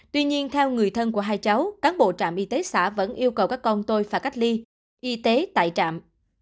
tuy nhiên theo người thân của hai cháu cán bộ trạm y tế xã vẫn yêu cầu các con tôi phải cách ly y tế tại trạm